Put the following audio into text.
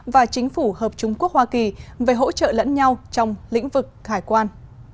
và chính phủ hợp trung quốc hoa kỳ về hỗ trợ lẫn nhau trong lĩnh vực hải quan